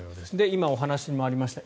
今、お話にもありました